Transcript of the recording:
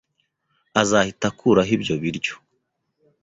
Azahita akuraho ibyo biryo.